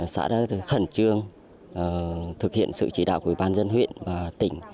xã đã khẩn trương thực hiện sự chỉ đạo của ban dân huyện và tỉnh